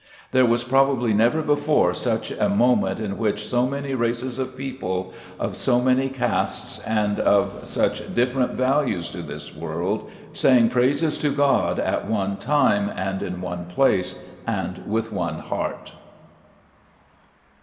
There was prob ably never before such a moment in which so many races of people, of so many castes, and of such different values to this world, sang praises to God at one time and in one place and with one heart."